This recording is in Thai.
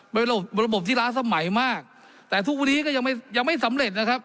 เป็นระบบระบบที่ล้าสมัยมากแต่ทุกวันนี้ก็ยังไม่ยังไม่สำเร็จนะครับ